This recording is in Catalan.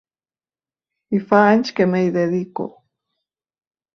I fa anys que m’hi dedico.